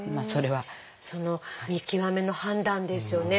その見極めの判断ですよね。